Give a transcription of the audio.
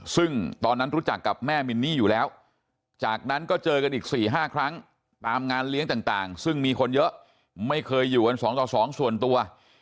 ซึ่งตอนนั้นรู้จักกับแม่มินนี่อยู่แล้วจากนั้นก็เจอกันอีก๔๕ครั้งตามงานเลี้ยงต่างซึ่งมีคนเยอะไม่เคยอยู่กัน๒ต่อ๒ส่วนตัว